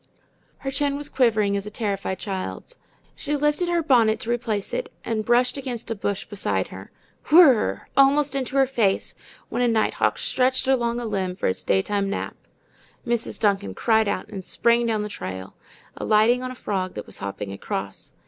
Her chin was quivering as a terrified child's. She lifted her bonnet to replace it and brushed against a bush beside her. WHIRR, almost into her face, went a nighthawk stretched along a limb for its daytime nap. Mrs. Duncan cried out and sprang down the trail, alighting on a frog that was hopping across.